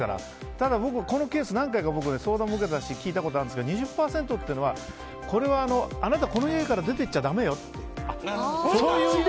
ただ僕このケース何回か相談受けたし聞いたことあるんですが２０％っていうのはあなた、この家から出ていっちゃダメよと。